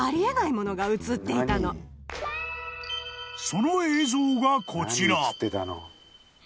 ［その映像がこちら］